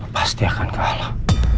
pasti akan kalah